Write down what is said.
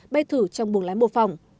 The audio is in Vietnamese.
bay thử trong buồng lái mô phỏng